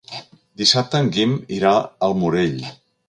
Dissabte en Guim irà al Morell.